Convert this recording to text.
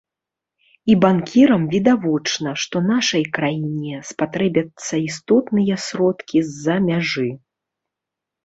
І банкірам відавочна, што нашай краіне спатрэбяцца істотныя сродкі з-за мяжы.